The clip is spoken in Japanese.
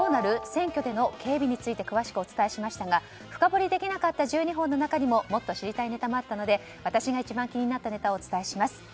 選挙での警備について詳しくお伝えしましたが深掘りできなかった１２本の中にも、もっと知りたいネタもあったので私が一番気になったネタをお伝えします。